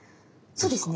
そうですね。